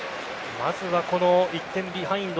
まずはこの１点ビハインド